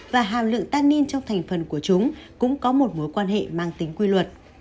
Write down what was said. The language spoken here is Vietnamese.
và hàm lượng tanin trong thành phần của chúng cũng có một mối quan hệ mang tính quy luật